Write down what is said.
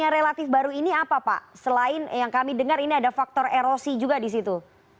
yang relatif baru ini apa pak selain yang kami dengar ini ada faktor erosi juga di situ